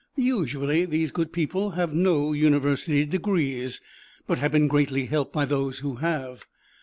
Usually these good people have no University degrees, but have been greatly helped by those who have.